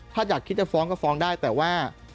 ถ้าอยากคิดจะฟ้องก็ฟ้องได้แต่ว่า